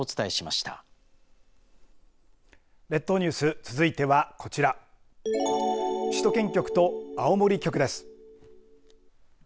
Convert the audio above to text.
列島ニュース、続いてはこちら首都圏局と青森局です。